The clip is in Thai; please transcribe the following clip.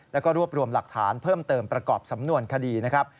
แล้วก็รวบรวมหลักฐานเพิ่มเติมประกอบสำนวนคดีนะครับ